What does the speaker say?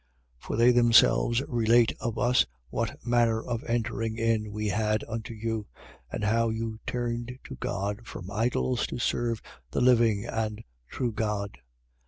1:9. For they themselves relate of us, what manner of entering in we had unto you: and how you turned to God from idols to serve the living and true God.